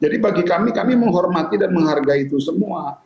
jadi bagi kami kami menghormati dan menghargai itu semua